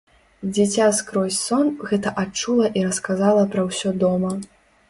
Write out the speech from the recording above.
Дзіця скрозь сон гэта адчула і расказала пра ўсё дома.